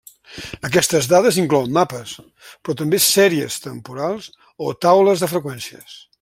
Aquestes dades inclouen mapes, però també sèries temporals o taules de freqüències.